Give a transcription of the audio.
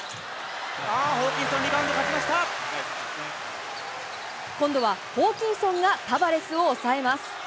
あー、ホーキンソン、今度はホーキンソンがタバレスを抑えます。